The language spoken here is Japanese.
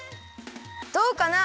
どうかな？